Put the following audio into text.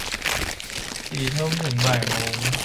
สี่ทุ่ม ถึงบ่ายโมง